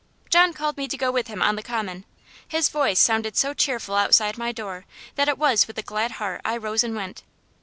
John called me to go with him on the common; his voice sounded so cheerful outside my door that it was with a glad heart I rose and went.